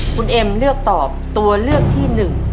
คุณเอ็มเลือกตอบตัวเลือกที่๑